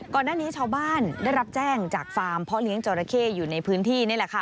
ก่อนหน้านี้ชาวบ้านได้รับแจ้งจากฟาร์มเพาะเลี้ยงจอราเข้อยู่ในพื้นที่นี่แหละค่ะ